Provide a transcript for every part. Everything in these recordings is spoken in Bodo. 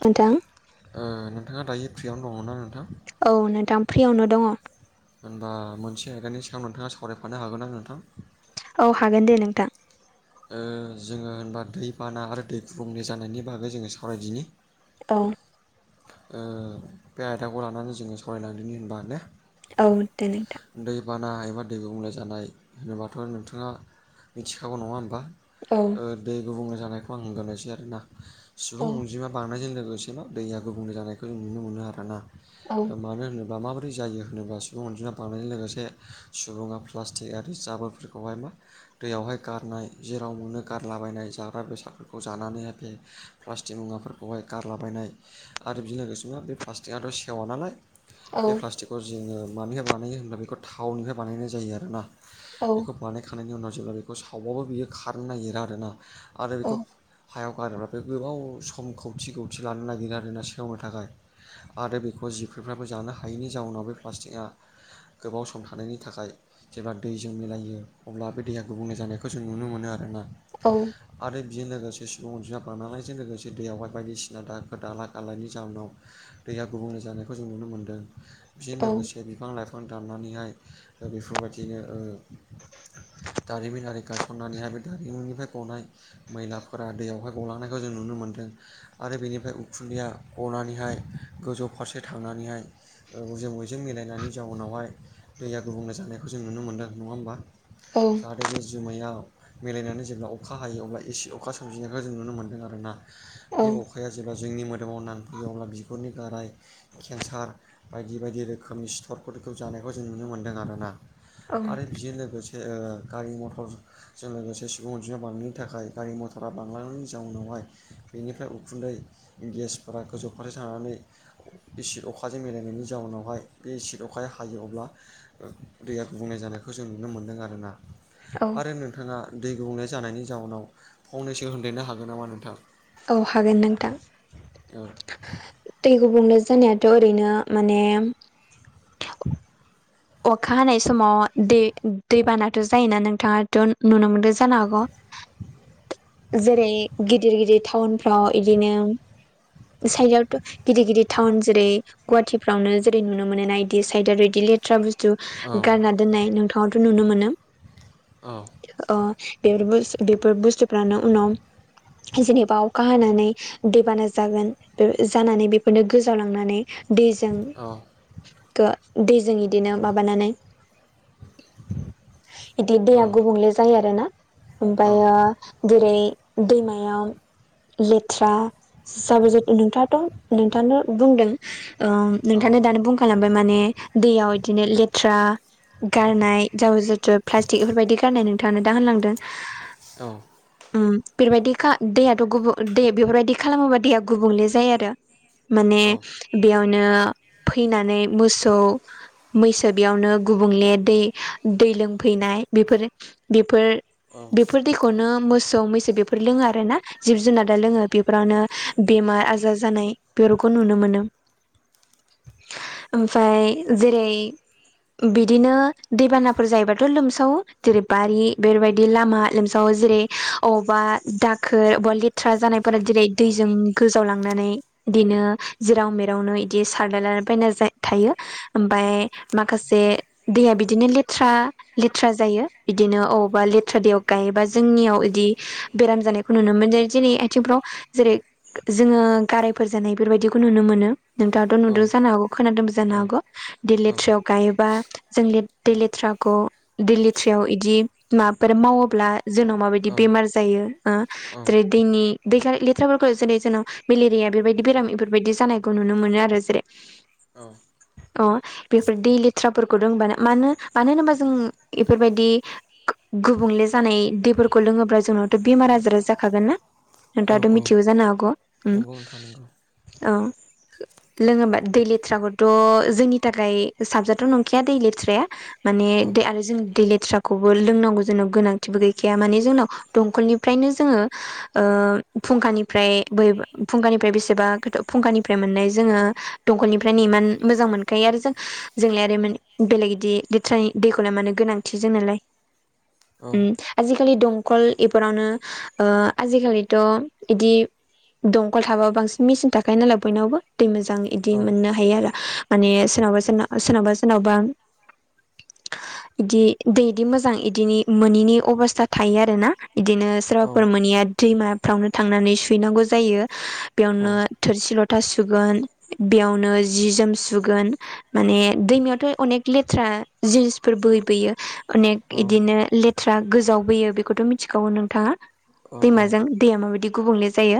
नोंथां ओ नोंथाङा दायो फ्रियावनो दङना नोंथां? औ नोंथां फ्रियावनो दङ। होमबा मोनसे आयदानि सगायाव नोंथाङा सावरायफानो हागोन ना नोंथां? औ हागोन दे नोंथां। जोङो होमबा दै बाना आरो दै गुबुुंले जानायनि बागै जोङो सावरायदिनि। औ ओ बे आयदाखौ लानानै जोङो सालरायलांदोनि होमबा दे। औ देे नोंथां। दै बाना एबा दै गुबुंले जानाय होनोबाथ' नोंथाङा मिथिखागौ नङा होमबा। औ ओ दै गुबुंले जानायखौ आं होनगोरनोसै आरोना सुबुं औ अनजिमा बांनायजों लोगोसे दै गुबुंले जानायखौ जों नुनो मोननो आरो ना औ मानो होनोबा माब ब्रै जायो होनोब्ला सुबुं अन्जिमा बानायनायजों लोगोसे सुबुङा प्लास्टिक आरि जाबोरफोरखौहाय मा दैयावहाय गारनाय जेराव मोनो गारलाबायनाय जाग्रा बेसादफोरखौ जानानैहाय प्लास्टिक मुवाफोरखौहाय गारलाबायनाय आरो बेजों लोगोसेनो बे प्लास्टिकआथ' सेवा नालाय औ बे प्लास्टिक जोङो मानिफ्राय बानायो होब्ला बेखौ थावनिफ्राय बानायनाय जायो आरोना औ बेखौ बानाय खानायनि उनाव जेब्ला बेखौ सावबाबो बियो खारनो नागिरा आरोना आरो औ बेखौ हायाव गारोबा बे गोबाव सम खौथि खौथि लानो नागिर आरोना सेवनो थाखाय आरो बेखौ जिबख्रिफ्राबो जानो हायैनि जाउनाव बे प्लास्टिकआ गोबाव सम थानायनि थाखाय जेब्ला दैजों मिलायो अब्ला बे दैया गुबुंले जानायखौ जों नुनो मोनो आरोना। औ। आरो बेजों लोगोसे सुबुं अनजिमा बांलांनायजों लोगोसे दैयावहाय बायदिसिना दाखोर-दाला खालायनि जाहोनाव दैया गुबुंले जानायखौ जों नुनो मोनदों बेजों लोगोसे बिफां-लाइफां बिफां दाननानैहाय ओ बेफोरबायदिनो ओ दारिमिनारि गायसननानैहाय बे दारिमिननिफ्राय गनाय मैलाफोरा दैयावहाय गलांनायखौ जों नुनो मोन्दों आरो बेनिफ्राय उखुन्दैया गनानैहाय गोजौ फारसे थांनानैहाय ओ जों बैजों मिलायनायनि जाउनावहाय दैया गुबुंले जानायखौ जों नुनो मोनदों नङा होमबा? औ। आरो बे जोमैयाव मिलायनानै जेब्ला अखा हायो अब्ला एसे अखा सोमजिनायखौ जों नुनो मोन्दों आरो ना। औ बे अखाया जेब्ला जोंनि मोदोमाव नांफैयो अब्ला बिगुरनि गाराय केन्सार बायदि बायदि रोखोमनि सिथरफोरखौ जानायखौ जों नुनो मोन्दों आर ना आरो बेजों लोगोसे से ओ गारि-मथर जों लोगोसे सुबुं अनजिमा बांनायनि थाखाय गारि-मथरा बांलांनायनि जाउनावहाय बेनिफ्राय उखुन्दै गेसफोरा गोजौ फारै थांनानै इसिद अखाजों मिलायनायनि जाउनावहाय बे इसिद अखाया हायो अब्ला दैया गुबुंले जानायखौ जों नुनो मोनदों आरोना। औ आरो नोंथाङा दै गुबुंले जानायनि जाउनाव फंनैसो होनदेरनो हागोन नामा नोंथां? औ हागोन नोंथां। औ। दै गुंबुंले जानायाथ' ओरैनो माने [inaudible] अखा हानाय समाव दै दैबानाथ' जायोना नोंथाङाथ' नुनो मोनदों जानो हागौ। जेरै गिदिर-गिदिर टाउनफ्राव इदिनो साइदआवथ' गिदिर-गिदिर टाउन जेरै गुवाहाटिफ्रावनो जेरै नुनो मोनोना इदि साइडआदि लेट लेथ्रा बुस्तु औ गारना दोननाय नोंथांआथ' नुनो मोनो औ ओ बे [unintelligible] र बेफोर बुस्थुफ्रानो उनाव जेनेबा अखा हानानै दैबाना जागोन बे जानानै बेफोरनो गोजाव लांनानै दैजों औ गो दैजों इदिनो माबानानै [inaudible] बिदि औ दैया गुबुंले जायो आरो ना औ ओमफायो जेरै दैमायाव लेथ्रा जाबोर जो नोंथाङाथ' नोंथाङानो बुंदों। ओम औ नोंथांनो दानो बुंखालांबाय माने दैयाव इदिनो लेथ्रा गारनाय जाबोर-जोथोर प्लास्टिक बेफोरबायदि गारनाय नोंथांनो दा होनलांदों। औ। ओम बेफोरबायदिखा दैयाथ' गुबुंले दै बेफोरबायदि खालामोबा दैया गुबुंले जायो आरो। माने औ बेयावनो फैनानै मोसौ मैसो बेयावनो गुबुंले दै-दै लोंफैनाय बेफोर-बेफोर बेफोर दैखौनो मोसौ-मैसो बेफोर लोङो आरो ना। जिब-जुनारा लोङो बेफोरावनो बेमार-आजार जानाय बेफोरखौ नुनो मोनो [inaudible] ओमफ्राय जेरै बिदिनो दैबानाफोर जायोबाथ' लोमसावो जेरै बारि बेफोरबायदि लामा लोमसावो जेरै अबावबा दाखोर अबा लेथ्रा जानायफोरा जेरै दैजों गोजावलांनानै बिदिनो जिराव मेरावनो इदि सारलालाबायना थायो ओमफाय माखासे दैया बिदिनो लेथ्रा लेथ्रा जायो बिदिनो अबावबा लेथ्रा दैयाव गायोबा जोंनियाव इदि बेराम जानायखौ नुनो मोनो जेरै आथिंफ्राव जेरै जोङो गारायफोर जानाय बेफोरबायदिखौ नुनो मोनो नोंथाङाथ' नुदों जानो हागौ खोनादोंबो जानो हागौ दै लेथ्रायाव गायोबा जों ले दै लेथ्राखौ दै लेथ्रायाव इदि माबाफोर मावोब्ला जोंनाव माबायदि बेमार जायो ओ जेरै दैनि दै [unintelligible] लेथ्राफोरखौ जेरै जोंनाव मेलेरिया बेबायदि बेराम इफोरबायदि जानायखौ नुनो मोनो आरो जेरै [inaudible] अ बेफोर दै लेथ्राफोरखौ रोंबानो मानो मानो होनोबा जों इफोरबायदि गुबुंले जानाय दैफोरखौ लोङोब्ला जोंनावथ' बेमार आजारा जाखागोन ना औ नोंथांआथ' औ मिथिगौ जानो हागौ उ नंगौ नोंथां नंगौ औ लोङोबा दै लेथ्राखौथ' जोंनि था खाय साबजाथाव नंखाया दै लेथ्राया माने औ दै आरो जों दै लेथ्राखौबो लोंनांगौ जोंनाव गोनांथिबो गैखाया माने जोंनाव दंखलनिफ्रायनो जोङो ओ फुंखानिफ्राय बै फुंखानिफ्राय बेसेबा फुंखानिफ्राय मोननाय जोङो दंखलनिफ्रायनो इमान मोजां मोनखायो आरो जोंलाय [unintelligible] बिदि लेथ्रानि दैखौलाय मानो गोनांथि जोंनालाय औ उ आजिखालि दंखल इफोरावनो ओ आजिखालिथ' इदि दंखल थाबा बांसिन मेसिन थाखायो नालाय बयनावबो दै मोजां इदि औ मोननो हायो आरो माने सोरनावबा [unintelligible] सोरनावबा सोरनावबा [inaudible] इदि दै दि मोजां इदि मोनिनि अबस्था थायो आरो ना इदिनो औ सोरबाफोर मोनिया दैमाफ्रावनो थांनानै सुहैनांगौ जायो बेयावनो थोरसि लथा सुगोन बेयावनो जि जोम सुगोन माने दैमायावथ' अनेक लेथ्रा जिनिसफोर बोहैबोयो औ अनेक इदिनोे ले थ्रा गोजावबोैयो बेखौथ' मिथिखागौ नोंथाङा। दैमाजों दैया माबायदि गुबुंले जायो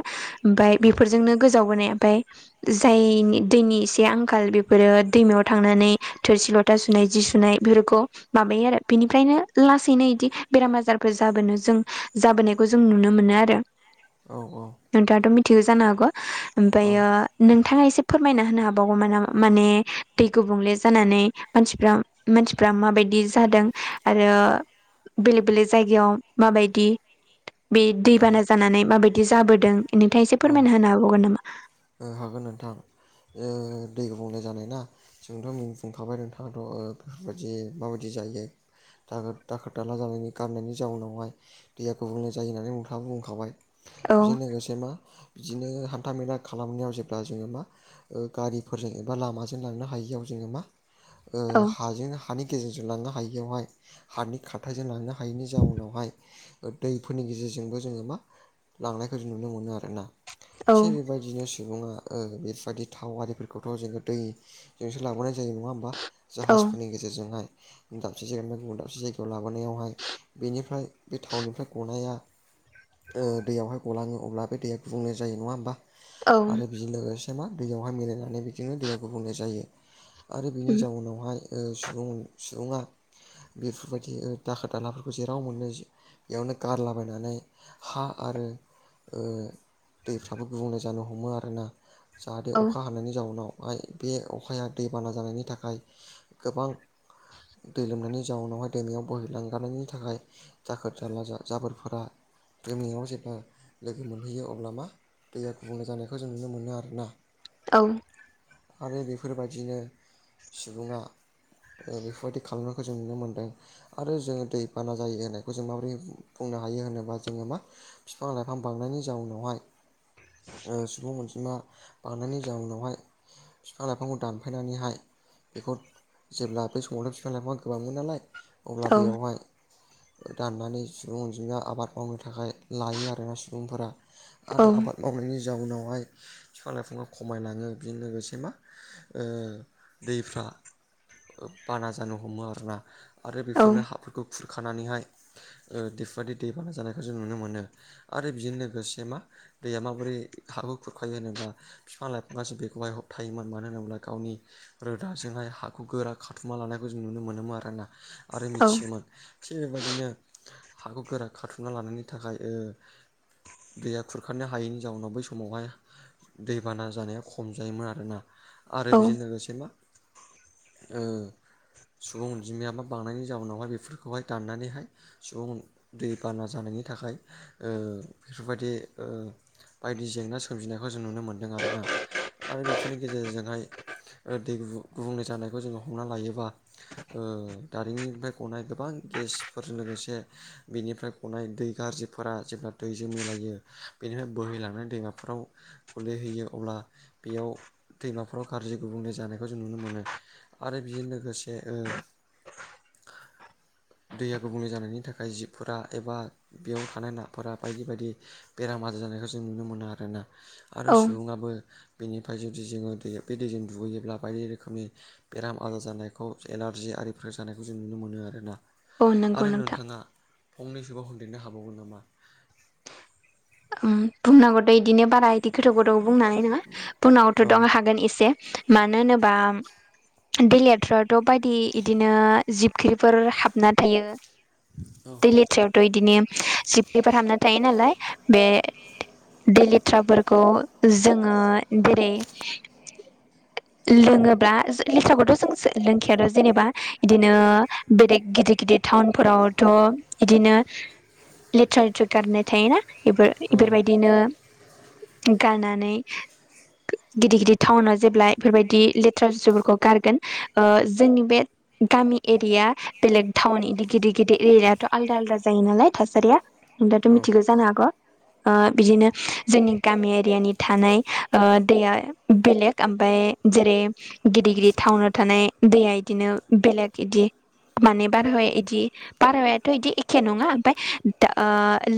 ओमफाय बेफोरजोंनो गोजावबोनाय ओमफाय जायनि दैनि एसे आंखाल बेफोरो दैमायाव थांनानै थोरसि लथा सुनाय जि सुनाय बेफोरखौ माबायो आरो बेनिफ्रायनो लासैनो इदि बेराम आजारफोर जाबोनो जों जाबोनो खौ जों नुनो मोनो आरो। औ औ। नोंथाङाथ' मिथिगौ जानो हागौ ओमफ्रायो नोंथाङा एसे फोरमायना होनो हाबावगौ मा ना माने दै गुबुंले जानानै मानसिफ्रा मानसिफ्रा माबायदि जादों आरो बेलेग बेलेग जायगायाव माबायदि बे औ दैबाना जानानै माबायदि जाबोदों नोंथां एसे औ औ फोरमायना होनो हाबावगोन नामा? ओ हागोन नोंथां ओ दै गुबुंले जानाय ना जोंथ' [unintelligible] बुंखाबाय नोंथाङाथ' ओ बेफोरबायदि माबायदि जायो दागोर दाखोर दाला जानायनि गाननायनि जाउनावहाय दैया गुबुंले जायो होननानै नोंथाङा बुंखाबाय औ बेजों लोगोसे मा बिदिनो हान्था मेला खालामनायाव जेब्ला जोङो मा ओ गारिफोरजों एबा लामाजों लांनो हायो [unintelligible] मा ओ औ हाजों हानि गेजेरजों लांनो हायियावहाय हानि खारथायाइजों लांनो हायैनि जाउनावहाय ओ दै फोरनि गेजेरजोंबो जोङो मा लांनायखौ जों नुनो मोनो आरो ना। औ थिग बेबायदिनो सुबुङा ओ बेफोरबायदि थाव आरिफोरखौथ' जोङो दै जोंसो लाबोनाय जायो नङा होमबा औ जाहाजफोरनि गेजेरजोंहाय दाबसे जायगानिफ्राय गुबुन दाबसे जायगा व लाबोनायावहाय बेनिफ्राय बे थावनिफ्राय गनाया ओ दैयावहाय गलाङो अब्ला बे दैया गुबुंले जायो नङा होमबा औ आरो बेजों लोगोसे मा दैयावहाय मिलायनानै बिदिनो दैया गुबुंले जायो। आरो बेनि जाउनावहाय ओ सुबुं सुबुङा बेफोरबायदि ओ दाखोर दालाफोरखौ जेराव मोनो जे बेयावनो गारलाबायनानै हा आरो ओ दैफ्राबो गुबुंले जानो हमो आरोना। जाहाथे औ अखा हानायनि जाउनाव हाय बे अखाया दैबाना जानायनि थाखाय गोबां दै लोमनायनि जाउनावहाय दैमायाव बोहैलांगारनायनि थाखाय दाखोर जाला जाबोरफोरा दैमायाव जेब्ला लोगो मोनहैयो अब्ला मा दैया गुबुंले जानायखौ जों नुनो मोनो आरो ना। औ। आरो बेफोरबायदिनो सुबुङा ओ बेफोरबायदि खालामनायखौ जों नुनो मोनदों। आरो जोङो दैबाना जायो होननायखौ जों माबोरै बुंनो हायो होनोबा जोङो मा फिफां लाइफां बांनायनि जाउनावहाय ओ सुबुं अनजिमा बांनायनि जाउनावहाय बिफां लाइफांखौ दानफायनानैहाय बेखौ जेब्ला बे समावनो बिफां लाइफां खालामोन नालाय अब्ला औ बेयावहाय दाननानै सुबुं अनजिमाया आबाद मावनो थाखाय लायो आरोना सुबुंफोरा आरो आबाद मावनायनि जाउनावहाय फिफां लाइफांआ खमायलाङो बेजों लोगोसे मा ओ दैफ्रा बाना जानो हमो आरोना। आरो बेफोरनो हाफोरखौ खुरखानानैहाय ओ बेफोरबायदि दैबाना जानायखौ जों नुनो मोनो। आरो बिजों लोगोसे मा दैया माबोरै हाखौ खुरखायो होनोब्ला फिफां लाइफांआसो बेखौहाय हबथायो। थायोमोन मानो होनोब्ला गावनि रोदाजोंहाय हाखौ गोरा खाथुमा लानायखौ जों नुनो मोनोमोन आरोना आरो मिथियोमोन। थिग बेबादिनो हाखौ गोरा खाथुमना लानायनि थाखाय ओ दैया खुरखनो हायैनि जाउनाव बै समावहाय दैबाना जानाया खम जायोमोन आरोना आरो औ औ बेजों लोगोसे मा ओ सुबुं अनजिमाया मा बांनायनि जाउनावहाय बेफोरखौहाय दाननानैहाय सुबुं दै बाना जानायनि थाखाय ओ सुबायदि ओ बायदि जेंना सोमजिनायखौ जों नुनो मोन्दों आरोना। आरो बे जेरजोंहाय दैगुबु- गुबुंले जानायखौ जोङो हमना लायोबा ओ दारिमिनिफाय गनाय गोबां गेसफोरजों लोगोसे बेनिफ्राय गनाय दै गाज्रिफोरा जेब्ला दैजों मिलायो बेनिफ्राय बोहैलांनाय दैमाफ्राव गलिहैयो अब्ला बेयाव दैमाफोराव गारजि गुबुंले जानायखौ जों नुनो मोनो आरो बेजों लोगोसे ओ [unintelligible] दैया गुबुंले जानायनि थाखाय जिबफोरा एबा बेयाव थानाय नाफोरा बायदि बायदि बेराम आजार जानायखौ जों नुनो मोनो आरोना आरो औ सुबुङाबो बेनिफ्राय जे [unintelligible] जोङो दैया बे दैजों दुगैयोब्ला बायदि रोखोमनि बेराम आजार जानायखौ एलार्जि आरिफोर जानायखौ जों नुनो मोनो आरोना। औ नंगौ आरो नोंथां नोंथाङा फंनैसोबाव होनदेरनो हाबावगोन नामा? उम बुंनांगौ दै इदिनो बाराय बिदि गोथौ गोथौ बुंनानै नङा फुनावथ' औ दङ हागोन एसे। मानो होनोबा दैलेथ्रथ' बायदि इदिनो जिबख्रिफोर हाबनानै थायो औ दै लेथ्रा इदिनो सिप पेपार हामना थायो नालाय। बे दैेलेथ्राफोरखौ जोङो जेरै [inaudible] लोङोबा लेथखौथ' जों लोंखायादा जेनेबा इदिनो बेलेग गिदिर गिदिर टाउनफोरावथ' बिदिनो लेथ्रा लेथ्रु गारनाय थायोना बेफोर- औ बेफोरबायदिनो गानानै [inaudible] गिदि गिदिद टाउनाव जेब्ला बेफोरबायदि लेथ्रा जुसुफोरखौ गारगोन ओ जोंनि बे गामि एरिया बेलेग टाउन इदि गिदि गिदि एरियाथ' आलदा आलदा जायो नालाय थासारिया। न दाथ' औ मिथिगौ जानो हाग'। ओ बिदिनो जोंनि गामि एरियानि थानाय ओ दैया बेलेग ओमफाय जेरै गिदिर गिदिर थावनोाव थानाय दैया इदिनो बेलेग इदि माने बारह एदि बारहायाथ' बिदि एखे नङा ओमफाय दा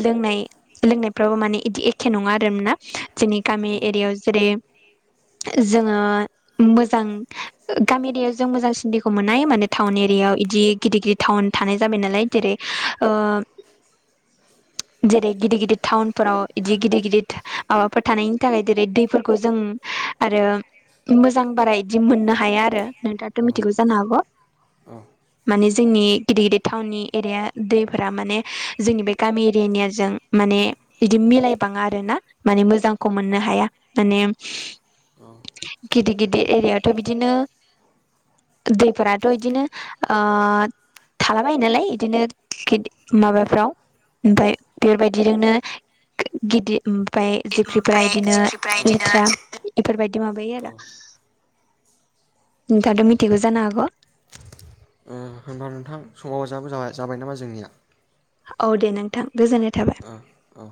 लोंनाय लोंनायफ्राबो माने बिदि एखे नङा आरमोन ना जोंनि गामि औ एरियायाव जेरै जोङो मोजां गामि दियाव जों मोजांसिन दैखौ मोननाय माने टाउन एरियायाव इदि गिदि गिदि टाउन थानाय जाबाय नालाय जेरै ओ [inaudible] जेरै गिदित गिदित टाउनफोराव इदि गिदि गिदित माबाफोर थानायनि थाखाय जेरै दैफोरखौ जों आरो मोजां बारा इदि मोननो हाया आरो नोंथाथ' मिथिगौ जानो हागौ। अ। माने जोंनि गिदित गिदित टाउननि एरिया दैफोरा माने जोंनि बे गामि एरियानिया जों माने बिदि मिलायबाङा आरो ना माने मोजांखौ मोननो हाया। माने औ गिदि गिदि एरियाथ' बिदिनो दैफोराथ' इदिनो ओ थालाबायायो नालाय बिदिनोि माबाफ्राव ओमफ्राय बेबायदि बिजोंनो गिदिर ओमफफ्राय जि ओमफ्राय बिदिनो जिख्रिफ्रा बिदिनो लेथ्रा इफोरबायदि माबायो आरो औ नोंथाङथ' मिथिखखौ जानो हाग' ओ होनबा नोंथां समाव जाबोाबाय जाबाय नामा जोंनिया? औ दे नोंथां गोजोननाय थाबाय। ओ औ